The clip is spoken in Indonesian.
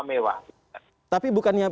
mewah tapi bukan